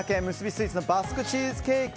スイーツのバスクチーズケーキ。